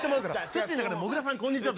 土ん中でもぐらさんこんにちは。